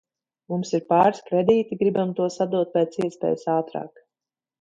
Mums ir pāris kredīti, gribam tos atdot pēc iespējas ātrāk